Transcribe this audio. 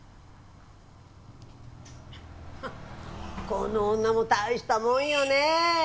この女も大したもんよね。